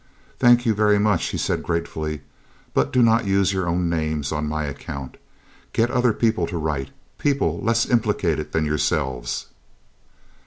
"Thank you very much," he answered gratefully, "but do not use your own names on any account. Get other people to write, people less implicated than yourselves."